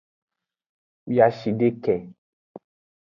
Wiashideke.